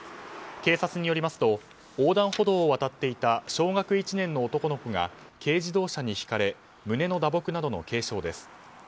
警察によりますと横断歩道を渡っていた小学１年の男の子が軽自動車にひかれ胸の打撲などの軽傷です。